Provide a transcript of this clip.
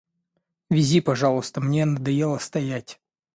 Вези, пожалуйста, мне надоело стоять.